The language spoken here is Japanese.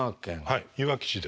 はいいわき市です。